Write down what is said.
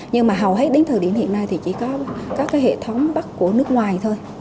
nhưng mà hầu hết đến thời điểm hiện nay thì chỉ có các hệ thống bắc của nước ngoài thôi